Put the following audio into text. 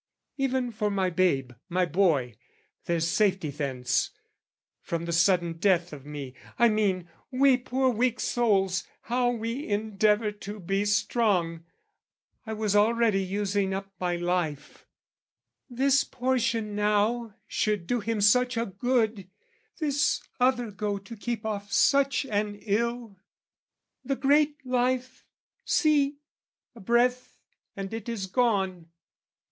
Even for my babe, my boy, there's safety thence From the sudden death of me, I mean; we poor Weak souls, how we endeavour to be strong! I was already using up my life, This portion, now, should do him such a good, This other go to keep off such an ill! The great life; see, a breath and it is gone!